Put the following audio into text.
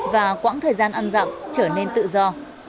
và quãng thời gian ăn rặng trở nên tự do